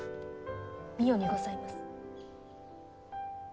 美代にございます。